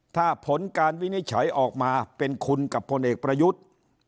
ถ้าผลการวินิจฉัยออกมาเป็นคุณกับพลเอกประยุทธ์